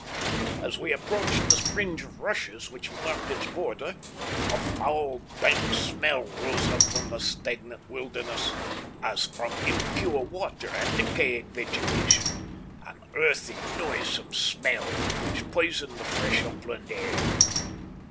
As we approached the fringe of rushes which marked its border, a foul, dank smell rose up from the stagnant wilderness, as from impure water and decaying vegetation an earthy, noisome smell which poisoned the fresh upland air.